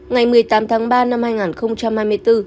ngày một mươi tám tháng ba năm hai nghìn hai mươi bốn